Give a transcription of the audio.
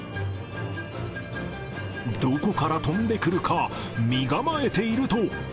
どこから飛んでくるか、身構えていると。